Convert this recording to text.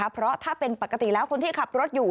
เพราะถ้าเป็นปกติแล้วคนที่ขับรถอยู่